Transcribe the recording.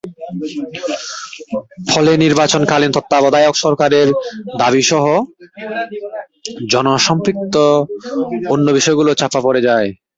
ফলে নির্বাচনকালীন তত্ত্বাবধায়ক সরকারের দাবিসহ জনসম্পৃক্ত অন্য বিষয়গুলো চাপা পড়ে যায়।